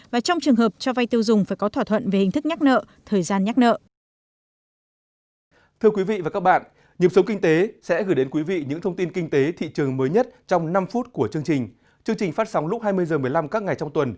và trong trường hợp cho vay tiêu dùng phải có thỏa thuận về hình thức nhắc nợ thời gian nhắc nợ